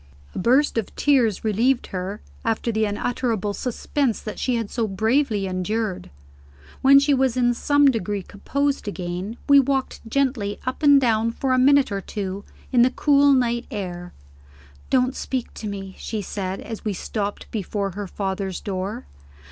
A burst of tears relieved her, after the unutterable suspense that she had so bravely endured. When she was in some degree composed again, we walked gently up and down for a minute or two in the cool night air. "Don't speak to me," she said, as we stopped before her father's door.